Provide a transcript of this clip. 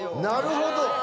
なるほど。